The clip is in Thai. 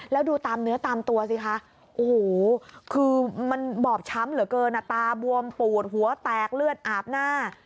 แล้วดูตามเนื้อตามตัวสิคะโอ้โหคือมันบอบช้ำเหลือเกินตาบวมปูดหัวแตกเลือดอาบหน้า